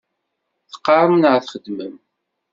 Teqqaṛem neɣ txeddmem?